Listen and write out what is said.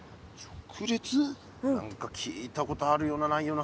何か聞いたことあるようなないような。